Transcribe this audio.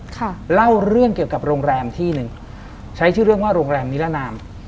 ค่ะเล่าเรื่องเกี่ยวกับโรงแรมที่หนึ่งใช้ชื่อเรื่องว่าโรงแรมนิรนาม